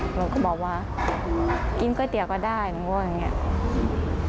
หนูก็บอกว่ากินก๋วยเตี๋ยวก็ได้หนูก็ว่าอย่างนี้